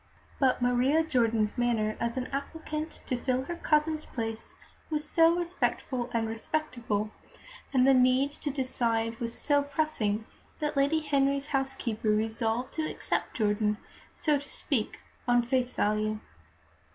But Maria Jordan's manner as an applicant to fill her cousin's place was so respectful and respectable, and the need to decide was so pressing, that Lady Henry's housekeeper resolved to accept Jordan, so to speak, on face value.